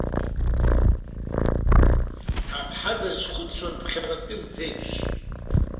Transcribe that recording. Аԥҳа дазхәыцуан ԥхьаҟатәи лԥеиԥш.